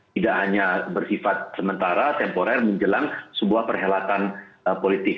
tidak hanya bersifat sementara temporer menjelang sebuah perhelatan politik